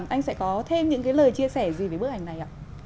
anh sẽ có thêm những lời chia sẻ gì với bức ảnh này ạ